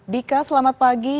dika selamat pagi